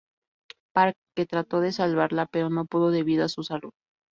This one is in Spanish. Park, que trató de salvarla, pero no pudo debido a su salud.